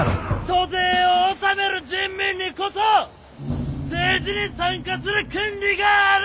租税を納める人民にこそ政治に参加する権利がある！